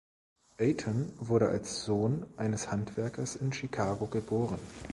Eaton wurde als Sohn eines Handwerkers in Chicago geboren.